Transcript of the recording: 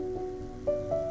ketika mereka berpikir